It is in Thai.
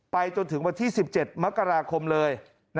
จนถึงวันที่๑๗มกราคมเลย